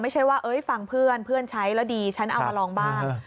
ไม่ใช่ว่าฟังเพื่อนเพื่อนใช้แล้วดีฉันเอามาลองบ้าง